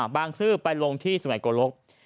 บางซื้อไปลงที่สุไหกลก